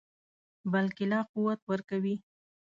بلکې لا قوت ورکوي.